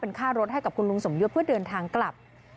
ค่ารถให้กับคุณลุงสมยศเพื่อเดินทางกลับ